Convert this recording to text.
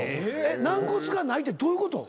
軟骨がないってどういうこと？